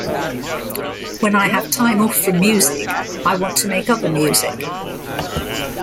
When I have time off from music, I want to make other music.